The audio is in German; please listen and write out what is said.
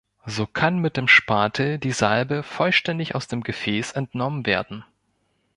So kann mit dem Spatel die Salbe vollständig aus dem Gefäß entnommen werden.